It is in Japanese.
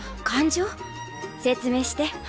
説明して。